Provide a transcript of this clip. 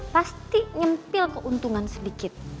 pasti nyempil keuntungan sedikit